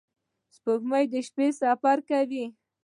• سپوږمۍ د شپې سفر کوي.